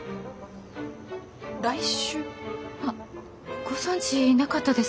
来週？あご存じなかったですか？